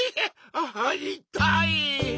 ああいたい！